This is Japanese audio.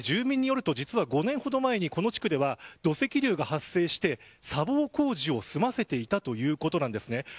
一方で住民によると、実はこの前にこの地区では土石流が発生して砂防工事を済ましていたということです。